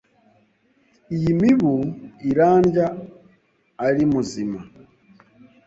Iyi mibu irandya ari muzima!